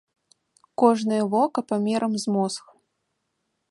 Кожнае вока памерам з мозг.